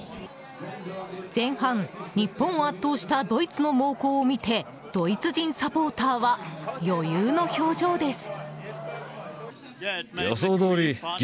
前半、日本を圧倒したドイツの猛攻を見てドイツ人サポーターは余裕の表情です。